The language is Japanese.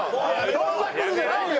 そんなクズじゃないよ